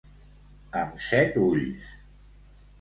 Amb set ulls.